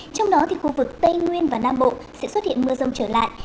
trong đó thì khu vực tây nguyên và nam bộ sẽ xuất hiện mưa rông trở lại